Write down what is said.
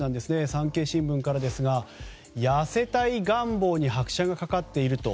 産経新聞からですが痩せたい願望に拍車がかかっていると。